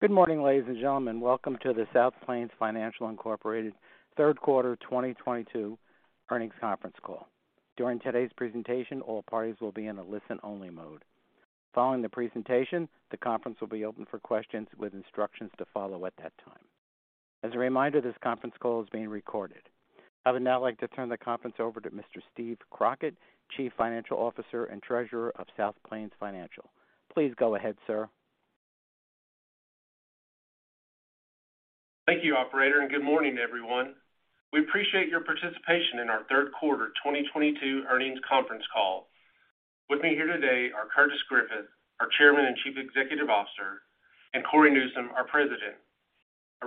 Good morning, ladies and gentlemen. Welcome to the South Plains Financial, Inc. Third Quarter 2022 Earnings Conference call. During today's presentation, all parties will be in a listen-only mode. Following the presentation, the conference will be open for questions with instructions to follow at that time. As a reminder, this conference call is being recorded. I would now like to turn the conference over to Mr. Steve Crockett, Chief Financial Officer and Treasurer of South Plains Financial. Please go ahead, sir. Thank you, operator, and good morning, everyone. We appreciate your participation in our third quarter 2022 earnings conference call. With me here today are Curtis Griffith, our Chairman and Chief Executive Officer, and Cory Newsom, our President.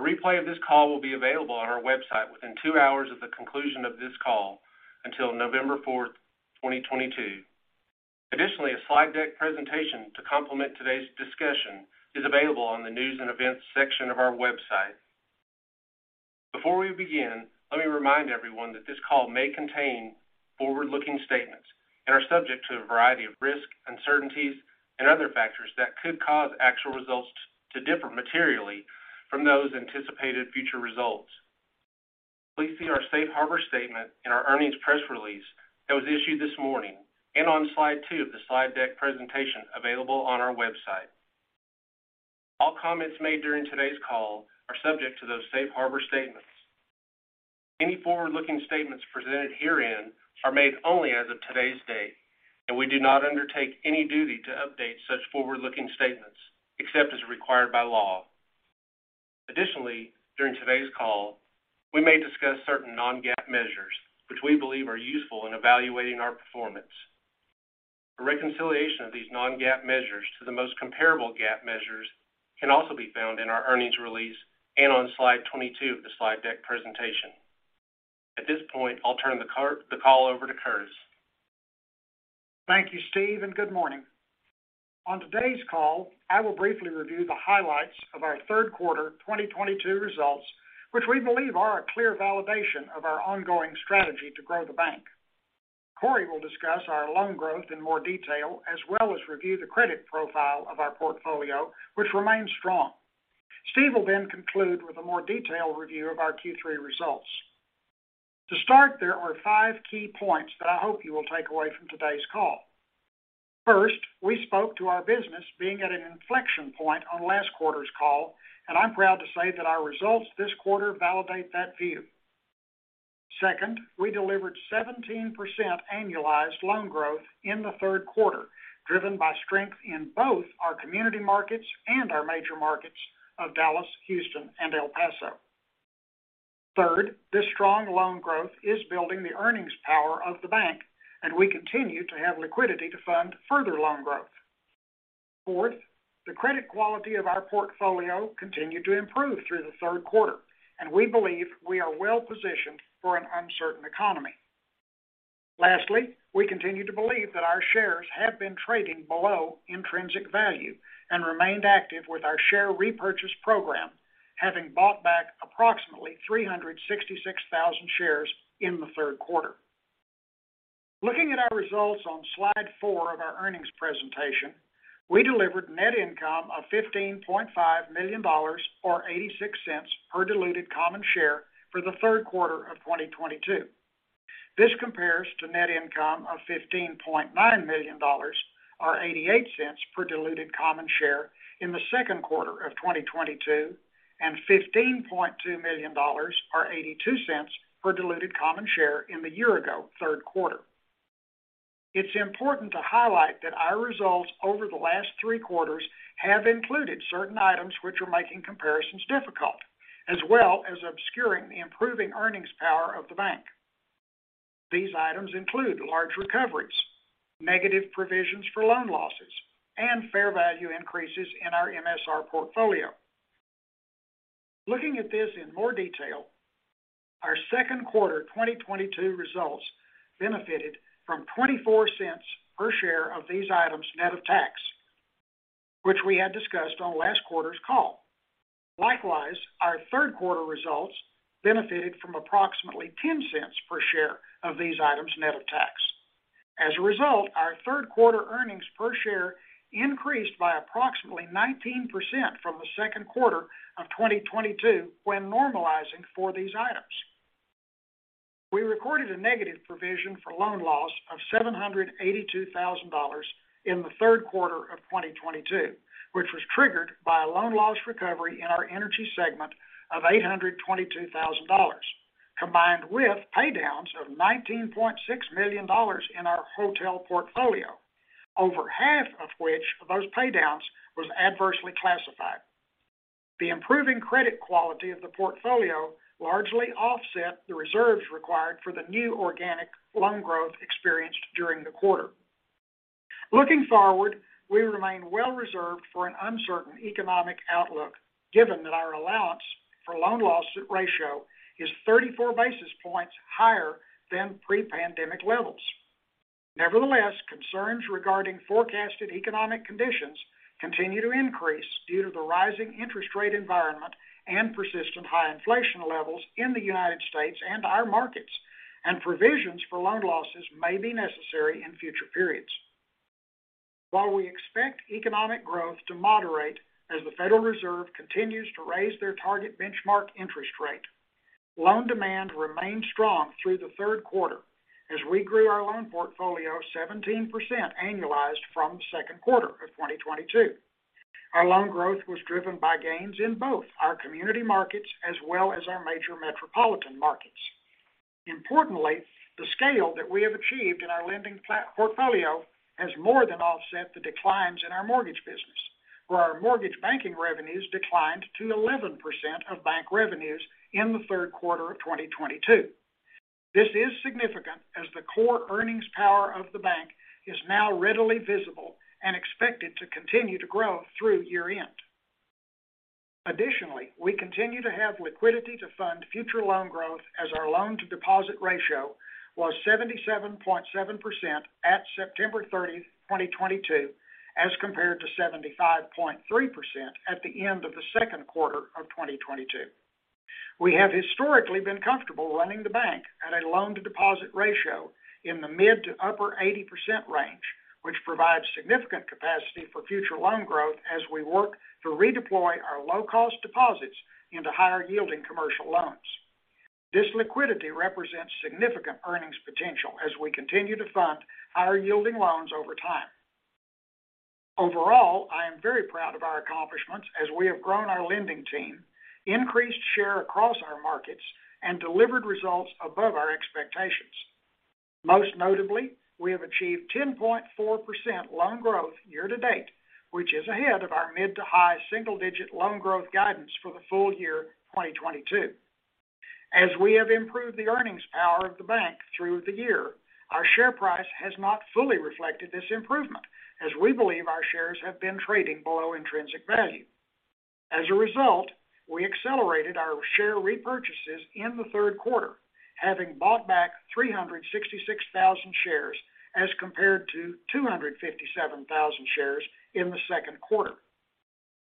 A replay of this call will be available on our website within two hours of the conclusion of this call until November fourth, 2022. Additionally, a slide deck presentation to complement today's discussion is available on the News and Events section of our website. Before we begin, let me remind everyone that this call may contain forward-looking statements and are subject to a variety of risks, uncertainties, and other factors that could cause actual results to differ materially from those anticipated future results. Please see our Safe Harbor Statement in our earnings press release that was issued this morning and on slide two of the slide deck presentation available on our website. All comments made during today's call are subject to those Safe Harbor Statements. Any forward-looking statements presented herein are made only as of today's date, and we do not undertake any duty to update such forward-looking statements, except as required by law. Additionally, during today's call, we may discuss certain non-GAAP measures which we believe are useful in evaluating our performance. A reconciliation of these non-GAAP measures to the most comparable GAAP measures can also be found in our earnings release and on slide 22 of the slide deck presentation. At this point, I'll turn the call over to Curtis. Thank you, Steve, and good morning. On today's call, I will briefly review the highlights of our third quarter 2022 results, which we believe are a clear validation of our ongoing strategy to grow the bank. Cory will discuss our loan growth in more detail, as well as review the credit profile of our portfolio, which remains strong. Steve will then conclude with a more detailed review of our Q3 results. To start, there are five key points that I hope you will take away from today's call. First, we spoke to our business being at an inflection point on last quarter's call, and I'm proud to say that our results this quarter validate that view. Second, we delivered 17% annualized loan growth in the third quarter, driven by strength in both our community markets and our major markets of Dallas, Houston, and El Paso. Third, this strong loan growth is building the earnings power of the bank, and we continue to have liquidity to fund further loan growth. Fourth, the credit quality of our portfolio continued to improve through the third quarter, and we believe we are well positioned for an uncertain economy. Lastly, we continue to believe that our shares have been trading below intrinsic value and remained active with our share repurchase program, having bought back approximately 366,000 shares in the third quarter. Looking at our results on slide four of our earnings presentation, we delivered net income of $15.5 million or $0.86 per diluted common share for the third quarter of 2022. This compares to net income of $15.9 million, or $0.88 per diluted common share in the second quarter of 2022, and $15.2 million or $0.82 per diluted common share in the year-ago third quarter. It's important to highlight that our results over the last three quarters have included certain items which are making comparisons difficult, as well as obscuring the improving earnings power of the bank. These items include large recoveries, negative provisions for loan losses, and fair value increases in our MSR portfolio. Looking at this in more detail, our second quarter 2022 results benefited from $0.24 per share of these items net of tax, which we had discussed on last quarter's call. Likewise, our third quarter results benefited from approximately $0.10 per share of these items net of tax. As a result, our third quarter earnings per share increased by approximately 19% from the second quarter of 2022 when normalizing for these items. We recorded a negative provision for loan loss of $782,000 in the third quarter of 2022, which was triggered by a loan loss recovery in our energy segment of $822,000, combined with paydowns of $19.6 million in our hotel portfolio. Over half of which of those paydowns was adversely classified. The improving credit quality of the portfolio largely offset the reserves required for the new organic loan growth experienced during the quarter. Looking forward, we remain well reserved for an uncertain economic outlook, given that our allowance for loan loss ratio is 34 basis points higher than pre-pandemic levels. Nevertheless, concerns regarding forecasted economic conditions continue to increase due to the rising interest rate environment and persistent high inflation levels in the United States and our markets, and provisions for loan losses may be necessary in future periods. While we expect economic growth to moderate as the Federal Reserve continues to raise their target benchmark interest rate, loan demand remained strong through the third quarter as we grew our loan portfolio 17% annualized from the second quarter of 2022. Our loan growth was driven by gains in both our community markets as well as our major metropolitan markets. Importantly, the scale that we have achieved in our lending portfolio has more than offset the declines in our mortgage business, where our mortgage banking revenues declined to 11% of bank revenues in the third quarter of 2022. This is significant as the core earnings power of the bank is now readily visible and expected to continue to grow through year-end. Additionally, we continue to have liquidity to fund future loan growth as our loan-to-deposit ratio was 77.7% at September 30, 2022, as compared to 75.3% at the end of the second quarter of 2022. We have historically been comfortable running the bank at a loan-to-deposit ratio in the mid- to upper-80% range, which provides significant capacity for future loan growth as we work to redeploy our low cost deposits into higher yielding commercial loans. This liquidity represents significant earnings potential as we continue to fund higher yielding loans over time. Overall, I am very proud of our accomplishments as we have grown our lending team, increased share across our markets and delivered results above our expectations. Most notably, we have achieved 10.4% loan growth year-to-date, which is ahead of our mid to high single digit loan growth guidance for the full year 2022. As we have improved the earnings power of the bank through the year, our share price has not fully reflected this improvement as we believe our shares have been trading below intrinsic value. As a result, we accelerated our share repurchases in the third quarter, having bought back 366,000 shares as compared to 257,000 shares in the second quarter.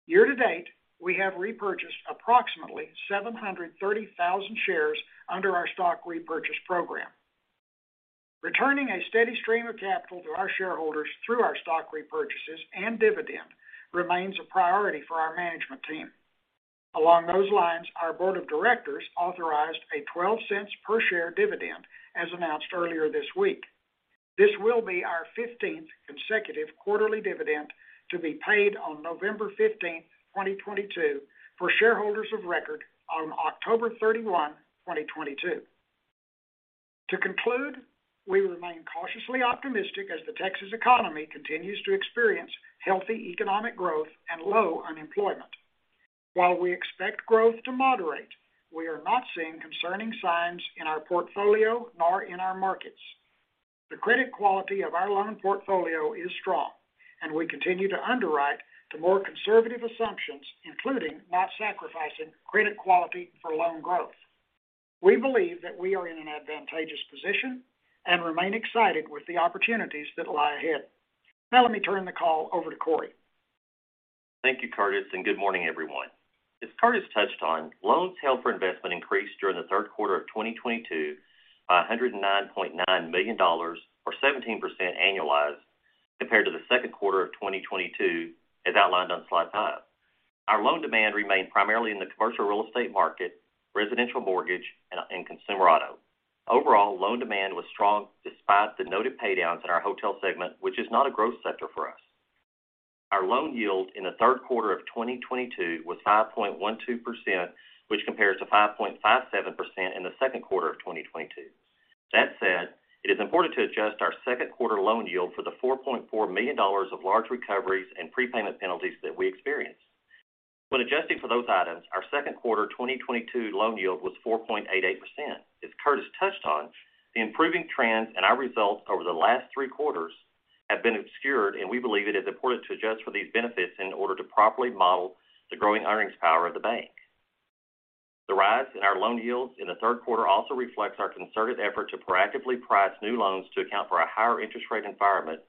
Year-to-date, we have repurchased approximately 730,000 shares under our stock repurchase program. Returning a steady stream of capital to our shareholders through our stock repurchases and dividend remains a priority for our management team. Along those lines, our board of directors authorized a $0.12 per share dividend as announced earlier this week. This will be our 15th consecutive quarterly dividend to be paid on November 15, 2022 for shareholders of record on October 31, 2022. To conclude, we remain cautiously optimistic as the Texas economy continues to experience healthy economic growth and low unemployment. While we expect growth to moderate, we are not seeing concerning signs in our portfolio nor in our markets. The credit quality of our loan portfolio is strong, and we continue to underwrite to more conservative assumptions, including not sacrificing credit quality for loan growth. We believe that we are in an advantageous position and remain excited with the opportunities that lie ahead. Now let me turn the call over to Cory. Thank you, Curtis, and good morning, everyone. As Curtis touched on, loans held for investment increased during the third quarter of 2022 by $109.9 million or 17% annualized compared to the second quarter of 2022 as outlined on slide five. Our loan demand remained primarily in the commercial real estate market, residential mortgage and consumer auto. Overall loan demand was strong despite the noted pay downs in our hotel segment, which is not a growth sector for us. Our loan yield in the third quarter of 2022 was 5.12%, which compares to 5.57% in the second quarter of 2022. That said, it is important to adjust our second quarter loan yield for the $4.4 million of large recoveries and prepayment penalties that we experienced. When adjusting for those items, our second quarter 2022 loan yield was 4.88%. As Curtis touched on, the improving trends and our results over the last three quarters have been obscured, and we believe it is important to adjust for these benefits in order to properly model the growing earnings power of the bank. The rise in our loan yields in the third quarter also reflects our concerted effort to proactively price new loans to account for a higher interest rate environment,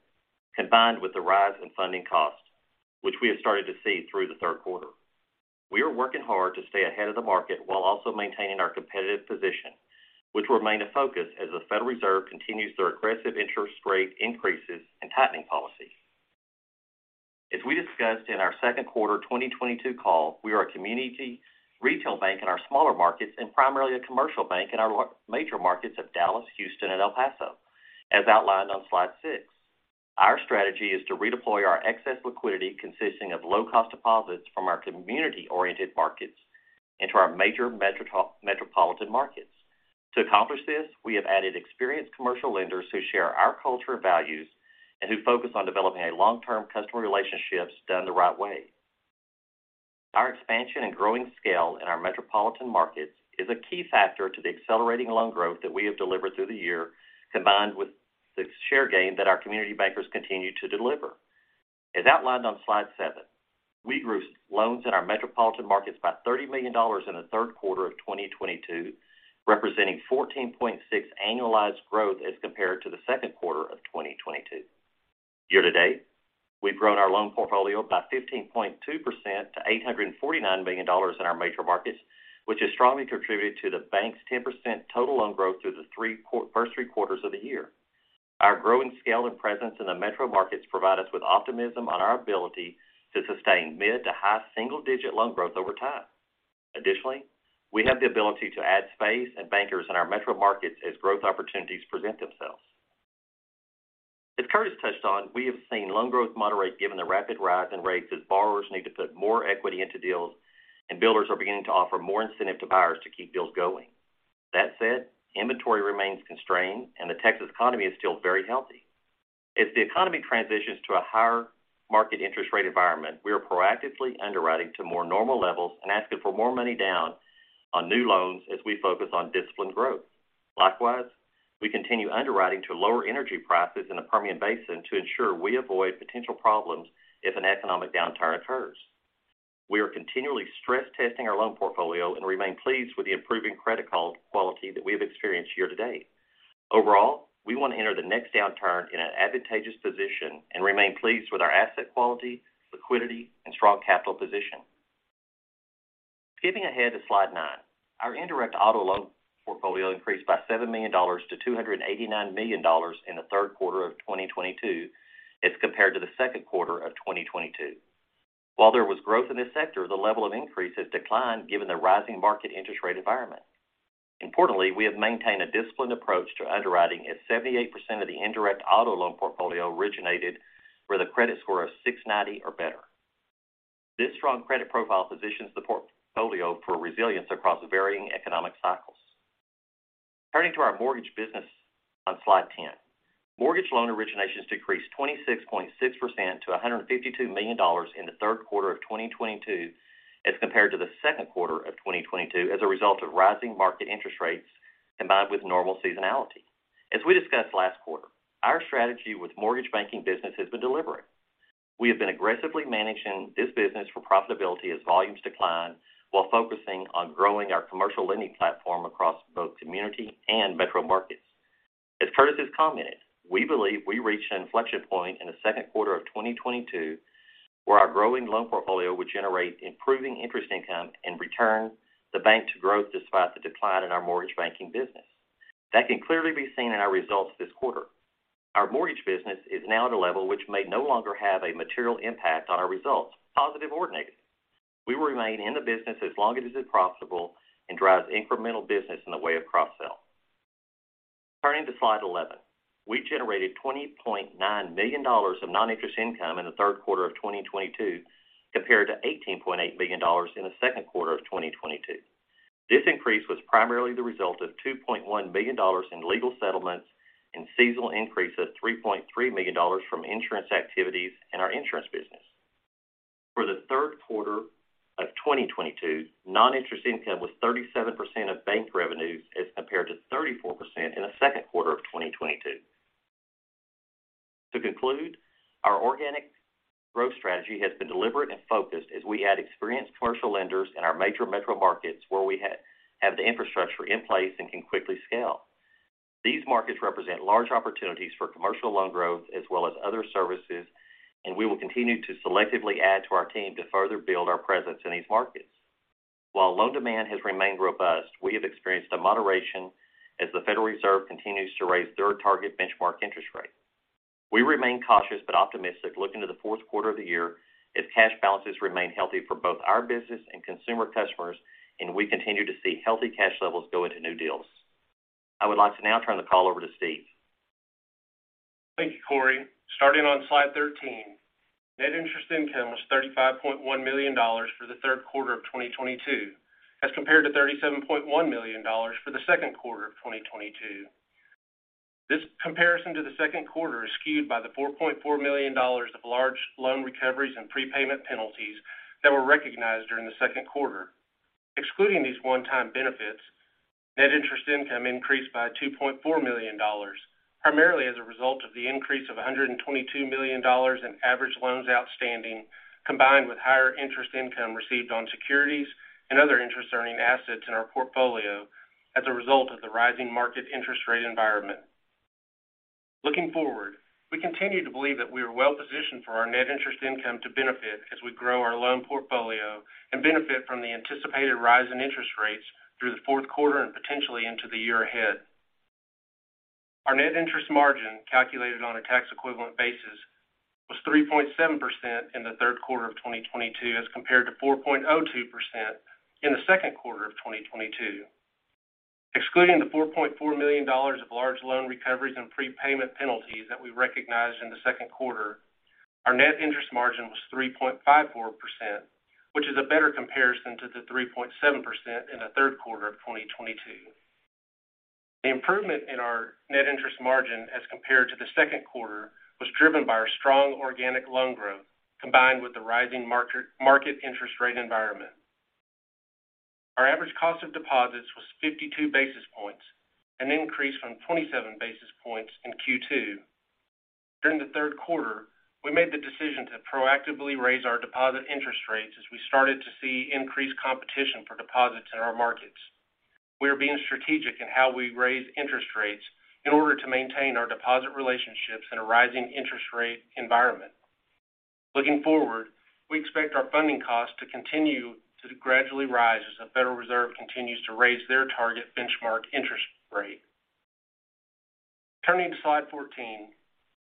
combined with the rise in funding costs, which we have started to see through the third quarter. We are working hard to stay ahead of the market while also maintaining our competitive position, which will remain a focus as the Federal Reserve continues their aggressive interest rate increases and tightening policy. As we discussed in our second quarter 2022 call, we are a community retail bank in our smaller markets and primarily a commercial bank in our major markets of Dallas, Houston and El Paso, as outlined on slide six. Our strategy is to redeploy our excess liquidity consisting of low-cost deposits from our community-oriented markets into our major metropolitan markets. To accomplish this, we have added experienced commercial lenders who share our core values and who focus on developing a long-term customer relationship done the right way. Our expansion and growing scale in our metropolitan markets is a key factor to the accelerating loan growth that we have delivered through the year, combined with the share gain that our community bankers continue to deliver. As outlined on slide seven, we grew loans in our metropolitan markets by $30 million in the third quarter of 2022, representing 14.6% annualized growth as compared to the second quarter of 2022. year-to-date, we've grown our loan portfolio by 15.2% to $849 million in our major markets, which has strongly contributed to the bank's 10% total loan growth through the first three quarters of the year. Our growing scale and presence in the metro markets provide us with optimism on our ability to sustain mid-to-high single-digit loan growth over time. Additionally, we have the ability to add space and bankers in our metro markets as growth opportunities present themselves. As Curtis touched on, we have seen loan growth moderate given the rapid rise in rates as borrowers need to put more equity into deals, and builders are beginning to offer more incentive to buyers to keep deals going. That said, inventory remains constrained and the Texas economy is still very healthy. As the economy transitions to a higher market interest rate environment, we are proactively underwriting to more normal levels and asking for more money down on new loans as we focus on disciplined growth. Likewise, we continue underwriting to lower energy prices in the Permian Basin to ensure we avoid potential problems if an economic downturn occurs. We are continually stress testing our loan portfolio and remain pleased with the improving credit quality that we have experienced year-to-date. Overall, we want to enter the next downturn in an advantageous position and remain pleased with our asset quality, liquidity, and strong capital position. Skipping ahead to slide nine. Our indirect auto loan portfolio increased by $7 million to $289 million in the third quarter of 2022 as compared to the second quarter of 2022. While there was growth in this sector, the level of increase has declined given the rising market interest rate environment. Importantly, we have maintained a disciplined approach to underwriting as 78% of the indirect auto loan portfolio originated with a credit score of 690 or better. This strong credit profile positions the portfolio for resilience across varying economic cycles. Turning to our mortgage business on slide 10. Mortgage loan originations decreased 26.6% to $152 million in the third quarter of 2022 as compared to the second quarter of 2022 as a result of rising market interest rates combined with normal seasonality. As we discussed last quarter, our strategy with mortgage banking business has been deliberate. We have been aggressively managing this business for profitability as volumes decline while focusing on growing our commercial lending platform across both community and metro markets. As Curtis has commented, we believe we reached an inflection point in the second quarter of 2022, where our growing loan portfolio would generate improving interest income and return the bank to growth despite the decline in our mortgage banking business. That can clearly be seen in our results this quarter. Our mortgage business is now at a level which may no longer have a material impact on our results, positive or negative. We will remain in the business as long as it is profitable and drives incremental business in the way of cross-sell. Turning to slide 11. We generated $20.9 million of non-interest income in the third quarter of 2022, compared to $18.8 million in the second quarter of 2022. This increase was primarily the result of $2.1 million in legal settlements and seasonal increase of $3.3 million from insurance activities in our insurance business. For the third quarter of 2022, non-interest income was 37% of bank revenues as compared to 34% in the second quarter of 2022. To conclude, our organic growth strategy has been deliberate and focused as we add experienced commercial lenders in our major metro markets where we have the infrastructure in place and can quickly scale. These markets represent large opportunities for commercial loan growth as well as other services, and we will continue to selectively add to our team to further build our presence in these markets. While loan demand has remained robust, we have experienced a moderation as the Federal Reserve continues to raise their target benchmark interest rate. We remain cautious but optimistic looking to the fourth quarter of the year as cash balances remain healthy for both our business and consumer customers, and we continue to see healthy cash levels go into new deals. I would like to now turn the call over to Steve Crockett. Thank you, Cory. Starting on slide 13, Net Interest Income was $35.1 million for the third quarter of 2022 as compared to $37.1 million for the second quarter of 2022. This comparison to the second quarter is skewed by the $4.4 million of large loan recoveries and prepayment penalties that were recognized during the second quarter. Excluding these one-time benefits, Net Interest Income increased by $2.4 million, primarily as a result of the increase of $122 million in average loans outstanding, combined with higher interest income received on securities and other interest-earning assets in our portfolio as a result of the rising market interest rate environment. Looking forward, we continue to believe that we are well positioned for our Net Interest Income to benefit as we grow our loan portfolio and benefit from the anticipated rise in interest rates through the fourth quarter and potentially into the year ahead. Our Net Interest Margin, calculated on a tax-equivalent basis, was 3.7% in the third quarter of 2022 as compared to 4.02% in the second quarter of 2022. Excluding the $4.4 million of large loan recoveries and prepayment penalties that we recognized in the second quarter, our Net Interest Margin was 3.54%, which is a better comparison to the 3.7% in the third quarter of 2022. The improvement in our Net Interest Margin as compared to the second quarter was driven by our strong organic loan growth, combined with the rising market interest rate environment. Our average cost of deposits was 52 basis points, an increase from 27 basis points in Q2. During the third quarter, we made the decision to proactively raise our deposit interest rates as we started to see increased competition for deposits in our markets. We are being strategic in how we raise interest rates in order to maintain our deposit relationships in a rising interest rate environment. Looking forward, we expect our funding costs to continue to gradually rise as the Federal Reserve continues to raise their target benchmark interest rate. Turning to slide 14,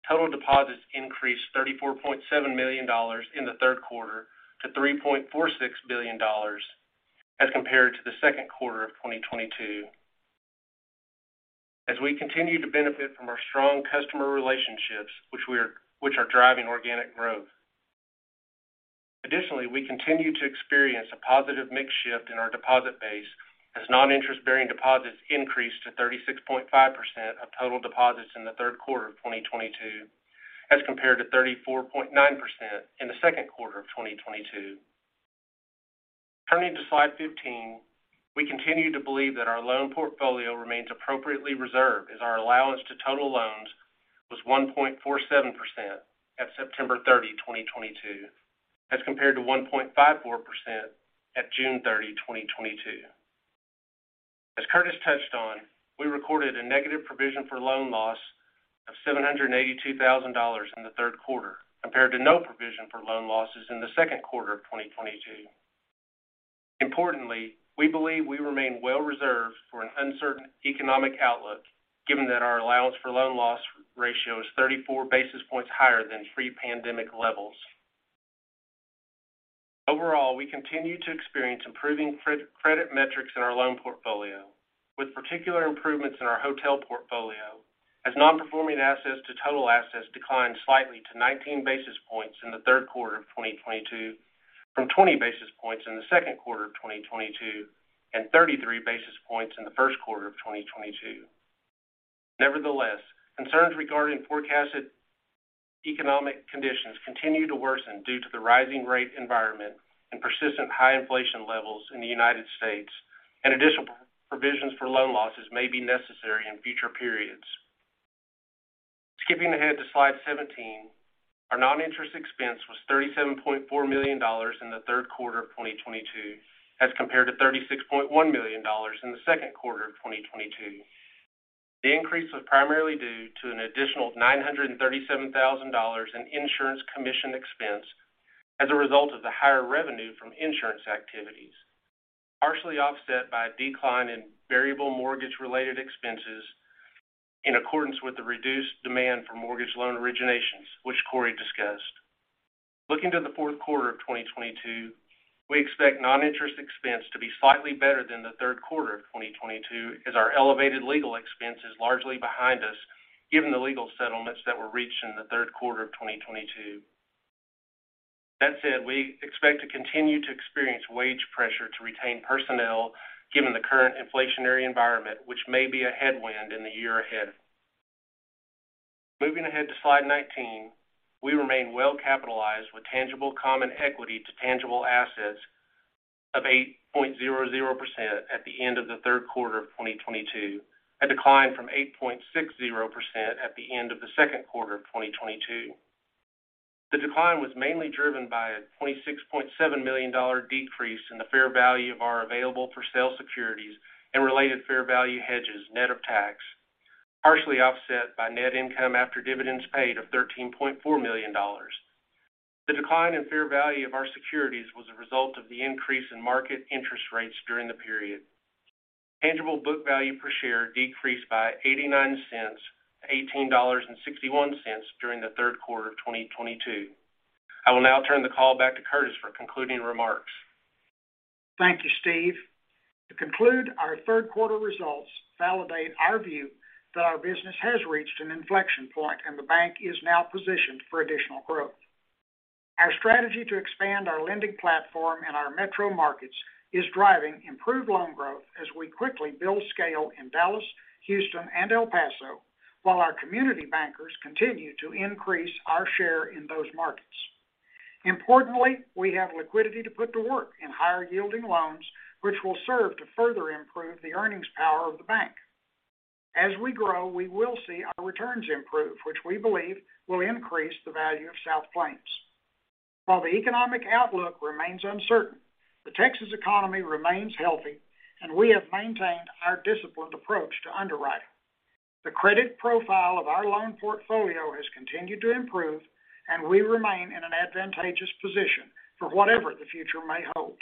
total deposits increased $34.7 million in the third quarter to $3.46 billion as compared to the second quarter of 2022 as we continue to benefit from our strong customer relationships, which are driving organic growth. Additionally, we continue to experience a positive mix shift in our deposit base as non-interest-bearing deposits increased to 36.5% of total deposits in the third quarter of 2022, as compared to 34.9% in the second quarter of 2022. Turning to slide 15, we continue to believe that our loan portfolio remains appropriately reserved as our allowance to total loans was 1.47% at September 30, 2022, as compared to 1.54% at June 30, 2022. As Curtis touched on, we recorded a negative provision for loan loss of $782,000 in the third quarter compared to no provision for loan losses in the second quarter of 2022. Importantly, we believe we remain well reserved for an uncertain economic outlook, given that our allowance for loan loss ratio is 34 basis points higher than pre-pandemic levels. Overall, we continue to experience improving credit metrics in our loan portfolio, with particular improvements in our hotel portfolio, as non-performing assets to total assets declined slightly to 19 basis points in the third quarter of 2022 from 20 basis points in the second quarter of 2022 and 33 basis points in the first quarter of 2022. Nevertheless, concerns regarding forecasted economic conditions continue to worsen due to the rising rate environment and persistent high inflation levels in the United States, and additional provisions for loan losses may be necessary in future periods. Skipping ahead to slide 17, our non-interest expense was $37.4 million in the third quarter of 2022, as compared to $36.1 million in the second quarter of 2022. The increase was primarily due to an additional $937,000 in insurance commission expense as a result of the higher revenue from insurance activities, partially offset by a decline in variable mortgage related expenses in accordance with the reduced demand for mortgage loan originations, which Cory discussed. Looking to the fourth quarter of 2022, we expect non-interest expense to be slightly better than the third quarter of 2022 as our elevated legal expense is largely behind us, given the legal settlements that were reached in the third quarter of 2022. That said, we expect to continue to experience wage pressure to retain personnel given the current inflationary environment, which may be a headwind in the year ahead. Moving ahead to slide 19, we remain well capitalized with tangible common equity to tangible assets of 8.00% at the end of the third quarter of 2022, a decline from 8.60% at the end of the second quarter of 2022. The decline was mainly driven by a $26.7 million decrease in the fair value of our available for sale securities and related fair value hedges net of tax, partially offset by net income after dividends paid of $13.4 million. The decline in fair value of our securities was a result of the increase in market interest rates during the period. Tangible book value per share decreased by 89 cents to $18.61 during the third quarter of 2022. I will now turn the call back to Curtis for concluding remarks. Thank you, Steve. To conclude, our third quarter results validate our view that our business has reached an inflection point and the bank is now positioned for additional growth. Our strategy to expand our lending platform in our metro markets is driving improved loan growth as we quickly build scale in Dallas, Houston and El Paso, while our community bankers continue to increase our share in those markets. Importantly, we have liquidity to put to work in higher yielding loans, which will serve to further improve the earnings power of the bank. As we grow, we will see our returns improve, which we believe will increase the value of South Plains. While the economic outlook remains uncertain, the Texas economy remains healthy and we have maintained our disciplined approach to underwriting. The credit profile of our loan portfolio has continued to improve and we remain in an advantageous position for whatever the future may hold.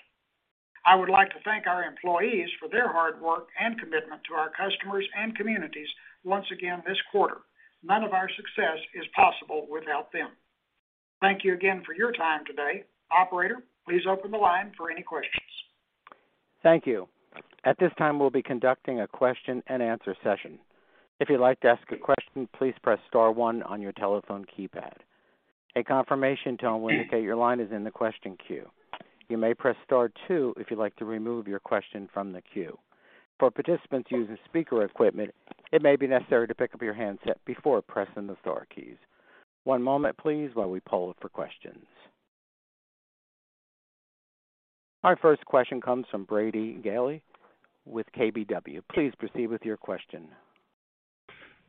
I would like to thank our employees for their hard work and commitment to our customers and communities once again this quarter. None of our success is possible without them. Thank you again for your time today. Operator, please open the line for any questions. Thank you. At this time, we'll be conducting a question-and-answer session. If you'd like to ask a question, please press star one on your telephone keypad. A confirmation tone will indicate your line is in the question queue. You may press star two if you'd like to remove your question from the queue. For participants using speaker equipment, it may be necessary to pick up your handset before pressing the star keys. One moment please while we poll for questions. Our first question comes from Brady Gailey with KBW. Please proceed with your question.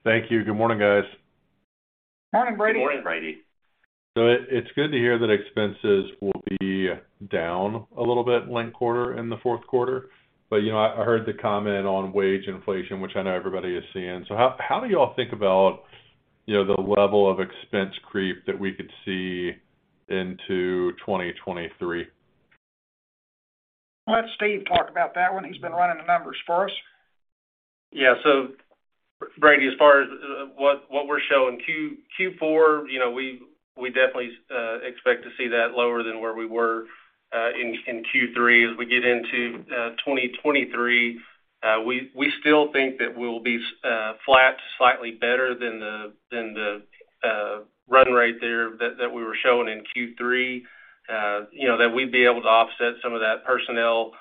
Thank you. Good morning, guys. Morning, Brady. Good morning, Brady. It's good to hear that expenses will be down a little bit linked quarter in the fourth quarter. You know, I heard the comment on wage inflation, which I know everybody is seeing. How do you all think about, you know, the level of expense creep that we could see into 2023? Let Steve talk about that one. He's been running the numbers for us. Yeah. Brady, as far as what we're showing Q4, you know, we definitely expect to see that lower than where we were in Q3. As we get into 2023, we still think that we'll be flat, slightly better than the run rate there that we were showing in Q3. You know that we'd be able to offset some of that personnel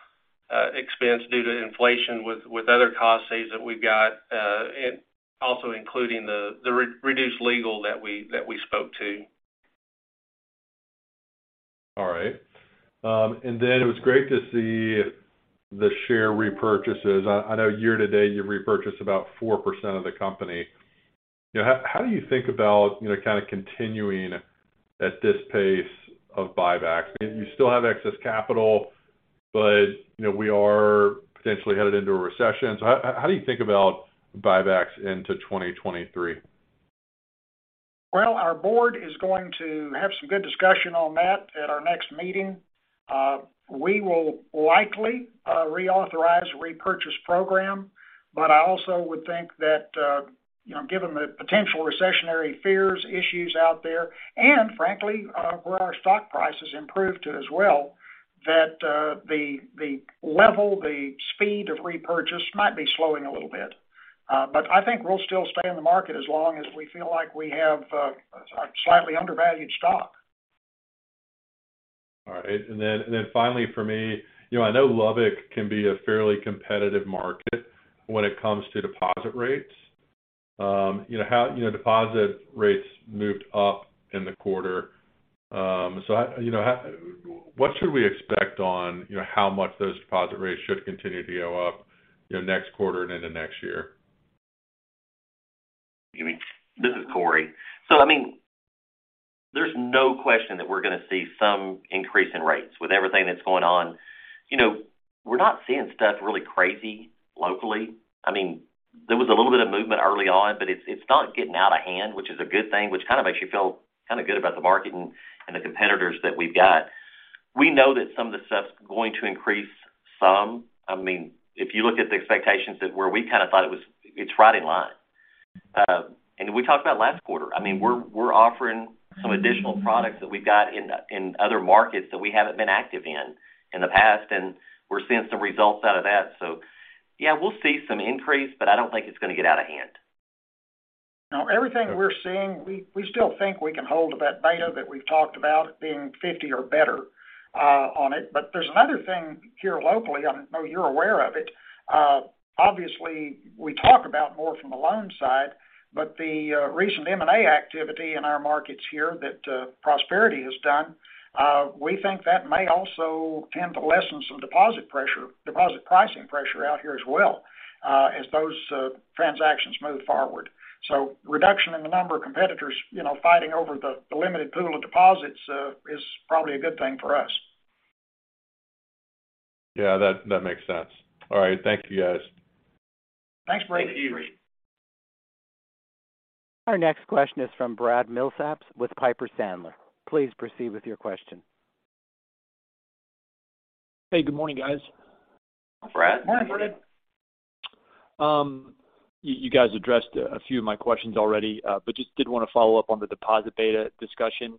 expense due to inflation with other cost savings that we've got, and also including the reduced legal that we spoke to. All right. It was great to see the share repurchases. I know year-to-date, you repurchased about 4% of the company. You know, how do you think about, you know, kind of continuing at this pace of buybacks? You still have excess capital, but, you know, we are potentially headed into a recession. How do you think about buybacks into 2023? Well, our board is going to have some good discussion on that at our next meeting. We will likely reauthorize a repurchase program. I also would think that, you know, given the potential recessionary fears, issues out there and frankly, where our stock price has improved as well, that the level, the speed of repurchase might be slowing a little bit. I think we'll still stay in the market as long as we feel like we have a slightly undervalued stock. All right. Finally, for me, you know, I know Lubbock can be a fairly competitive market when it comes to deposit rates. You know, how deposit rates moved up in the quarter. I, you know, what should we expect on, you know, how much those deposit rates should continue to go up, you know, next quarter and into next year? This is Cory. I mean, there's no question that we're going to see some increase in rates with everything that's going on. You know, we're not seeing stuff really crazy locally. I mean, there was a little bit of movement early on, but it's not getting out of hand, which is a good thing, which kind of makes you feel kind of good about the market and the competitors that we've got. We know that some of the stuff's going to increase some. I mean, if you look at the expectations that where we kind of thought it was, it's right in line. We talked about last quarter. I mean, we're offering some additional products that we've got in other markets that we haven't been active in the past, and we're seeing some results out of that. Yeah, we'll see some increase, but I don't think it's going to get out of hand. Now, everything we're seeing, we still think we can hold to that beta that we've talked about being 50 or better, on it. There's another thing here locally, I know you're aware of it. Obviously, we talk about more from the loan side, but the recent M&A activity in our markets here that Prosperity has done, we think that may also tend to lessen some deposit pressure, deposit pricing pressure out here as well, as those transactions move forward. Reduction in the number of competitors, you know, fighting over the limited pool of deposits is probably a good thing for us. Yeah, that makes sense. All right. Thank you, guys. Thanks, Brady. Thank you. Our next question is from Brad Milsaps with Piper Sandler. Please proceed with your question. Hey, good morning, guys. Brad. Morning, Brad. You guys addressed a few of my questions already but just did want to follow up on the deposit beta discussion.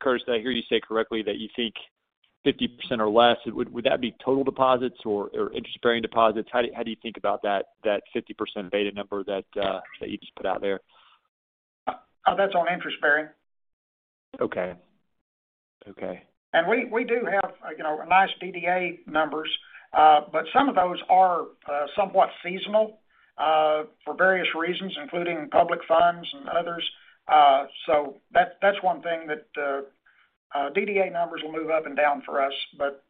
Curtis, did I hear you say correctly that you think 50% or less? Would that be total deposits or interest-bearing deposits? How do you think about that 50% beta number that you just put out there? That's on interest-bearing. Okay. Okay. We do have, you know, nice DDA numbers, but some of those are somewhat seasonal for various reasons, including public funds and others. That's one thing that DDA numbers will move up and down for us.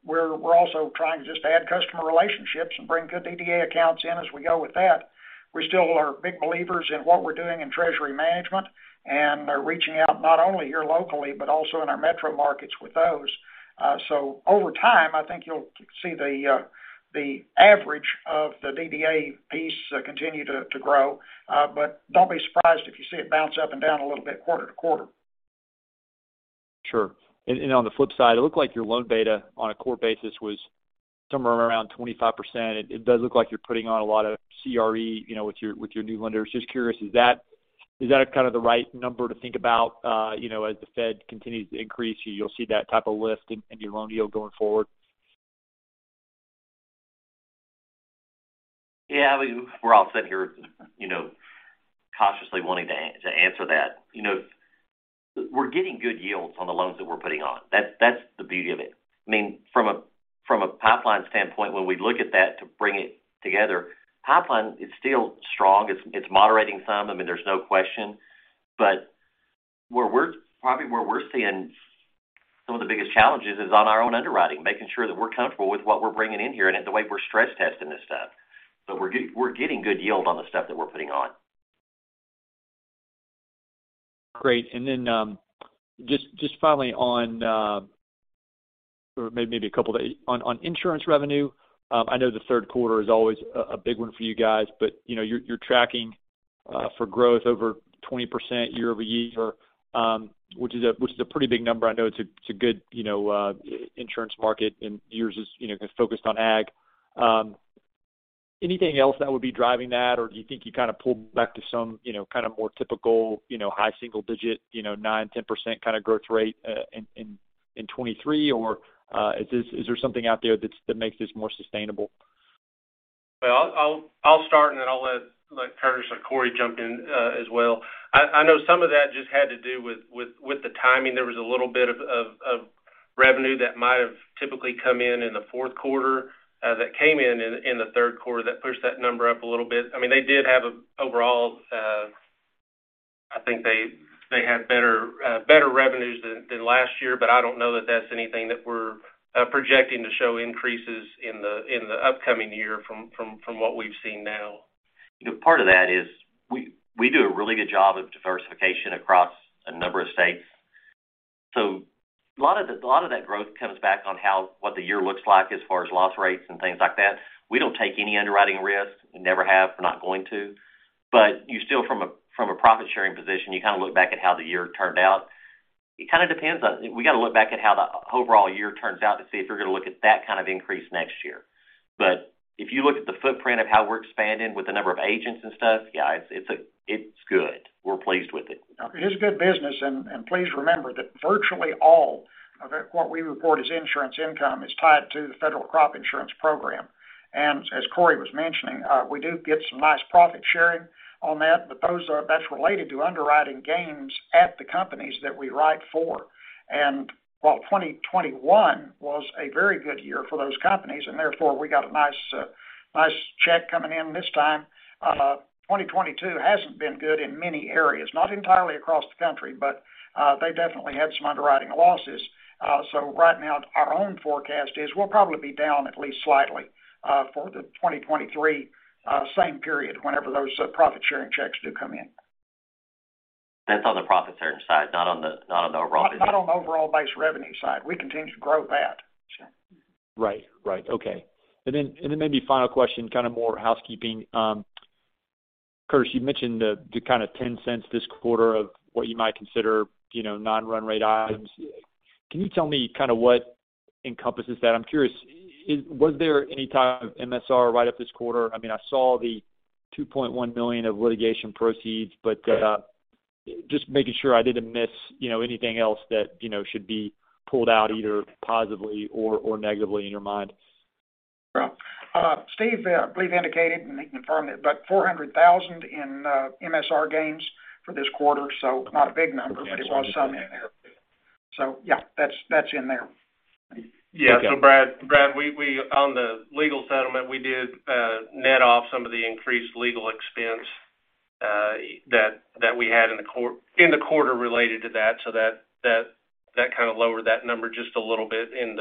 We're also trying to just add customer relationships and bring good DDA accounts in as we go with that. We still are big believers in what we're doing in treasury management and are reaching out not only here locally, but also in our metro markets with those. Over time, I think you'll see the average of the DDA piece continue to grow. Don't be surprised if you see it bounce up and down a little bit quarter to quarter. Sure. On the flip side, it looked like your loan beta on a core basis was somewhere around 25%. It does look like you're putting on a lot of CRE, you know, with your new lenders. Just curious, is that kind of the right number to think about, you know, as the Fed continues to increase, you'll see that type of lift in your loan yield going forward? Yeah. We're all sitting here, you know, cautiously wanting to answer that. You know, we're getting good yields on the loans that we're putting on. That's the beauty of it. I mean, from a pipeline standpoint, when we look at that to bring it together, pipeline is still strong. It's moderating some. I mean, there's no question. Probably where we're seeing some of the biggest challenges is on our own underwriting, making sure that we're comfortable with what we're bringing in here and the way we're stress testing this stuff. So we're getting good yield on the stuff that we're putting on. Great. Just finally on insurance revenue, I know the third quarter is always a big one for you guys, but you know, you're tracking for growth over 20% year-over-year, which is a pretty big number. I know it's a good you know insurance market and yours is you know focused on ag. Anything else that would be driving that? Or do you think you kind of pulled back to some you know kind of more typical you know high single digit you know 9%-10% kind of growth rate in 2023? Or is there something out there that makes this more sustainable? Well, I'll start and then I'll let Curtis or Cory jump in as well. I know some of that just had to do with the timing. There was a little bit of revenue that might have typically come in in the fourth quarter that came in in the third quarter that pushed that number up a little bit. I mean, they did have an overall better revenue than last year, but I don't know that that's anything that we're projecting to show increases in the upcoming year from what we've seen now. You know, part of that is we do a really good job of diversification across a number of states. A lot of that growth comes back on what the year looks like as far as loss rates and things like that. We don't take any underwriting risk. We never have. We're not going to. You still from a profit-sharing position, you kind of look back at how the year turned out. It kind of depends on how the overall year turns out to see if we're going to look at that kind of increase next year. If you look at the footprint of how we're expanding with the number of agents and stuff, yeah, it's good. We're pleased with it. It's a good business, and please remember that virtually all of what we report as insurance income is tied to the Federal Crop Insurance Program. As Cory was mentioning, we do get some nice profit sharing on that, but that's related to underwriting gains at the companies that we write for. While 2021 was a very good year for those companies, and therefore we got a nice check coming in this time, 2022 hasn't been good in many areas. Not entirely across the country, but they definitely had some underwriting losses. Right now, our own forecast is we'll probably be down at least slightly for the 2023 same period, whenever those profit-sharing checks do come in. That's on the profit-sharing side, not on the overall business. Not on the overall base revenue side. We continue to grow that. Right. Okay. Maybe final question, kind of more housekeeping. Curtis, you mentioned the kind of $0.10 this quarter of what you might consider, you know, non-run rate items. Can you tell me kind of what encompasses that? I'm curious. Was there any type of MSR write-up this quarter? I mean, I saw the $2.1 million of litigation proceeds, but just making sure I didn't miss, you know, anything else that, you know, should be pulled out either positively or negatively in your mind. Sure. Steve, I believe indicated, and he can confirm it, but $400,000 in MSR gains for this quarter, so not a big number, but it was some in there. Yeah, that's in there. Yeah. Brad, we on the legal settlement, we did net off some of the increased legal expense that we had in the quarter related to that kind of lowered that number just a little bit in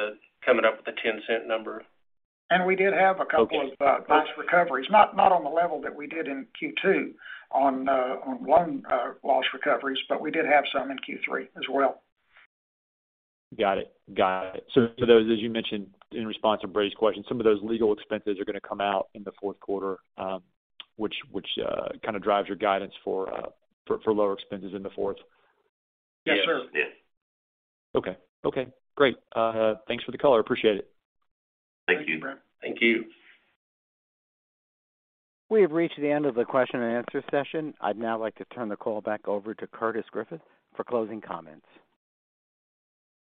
coming up with the $0.10 number. We did have a couple of loss recoveries, not on the level that we did in Q2 on loan loss recoveries, but we did have some in Q3 as well. Got it. Those, as you mentioned in response to Brady's question, some of those legal expenses are gonna come out in the fourth quarter, which kind of drives your guidance for lower expenses in the fourth. Yes, sir. Yes. Okay. Okay, great. Thanks for the color. Appreciate it. Thank you. Thank you. We have reached the end of the question-and-answer session. I'd now like to turn the call back over to Curtis Griffith for closing comments.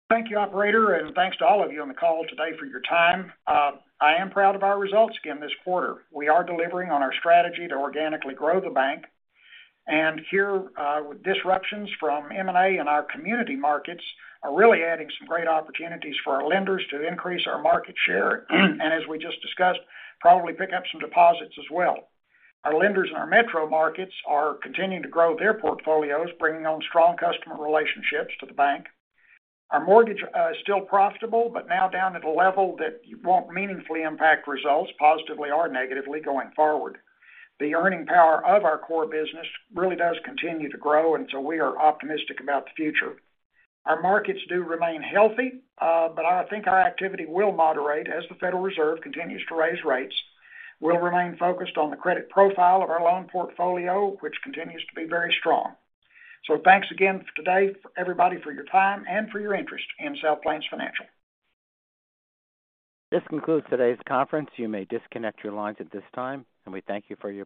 Thank you, operator, and thanks to all of you on the call today for your time. I am proud of our results again this quarter. We are delivering on our strategy to organically grow the bank. Here, with disruptions from M&A and our community markets are really adding some great opportunities for our lenders to increase our market share, and as we just discussed, probably pick up some deposits as well. Our lenders in our metro markets are continuing to grow their portfolios, bringing on strong customer relationships to the bank. Our mortgage is still profitable, but now down at a level that won't meaningfully impact results positively or negatively going forward. The earning power of our core business really does continue to grow, and so we are optimistic about the future. Our markets do remain healthy, but I think our activity will moderate as the Federal Reserve continues to raise rates. We'll remain focused on the credit profile of our loan portfolio, which continues to be very strong. Thanks again today for everybody for your time and for your interest in South Plains Financial. This concludes today's conference. You may disconnect your lines at this time, and we thank you for your participation.